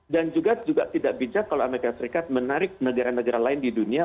dan juga tidak bijak kalau amerika serikat menarik negara negara lain di dunia